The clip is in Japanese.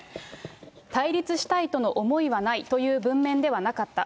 対立したいとの思いはないという文面ではなかった。